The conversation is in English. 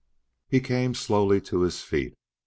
He came slowly to his feet.